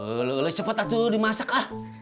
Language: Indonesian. ulu ulu cepet atuh dimasak ah